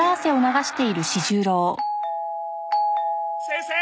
先生！